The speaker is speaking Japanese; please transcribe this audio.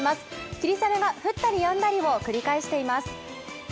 霧雨が降ったりやんだりを繰り返しています。